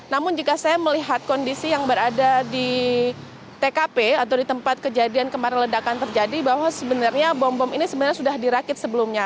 namun jika saya melihat kondisi yang berada di tkp atau di tempat kejadian kemarin ledakan terjadi bahwa sebenarnya bom bom ini sebenarnya sudah dirakit sebelumnya